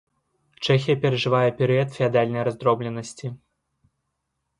Чэхія перажывае перыяд феадальнай раздробленасці.